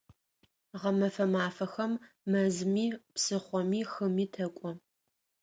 Гъэмэфэ мафэхэм мэзыми, псыхъоми, хыми тэкӀо.